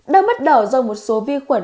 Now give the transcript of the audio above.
đau mắt đỏ do một số vi khuẩn